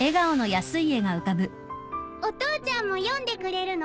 お父ちゃんも読んでくれるの？